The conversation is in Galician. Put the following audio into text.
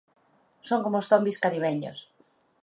Son como os zombis caribeños.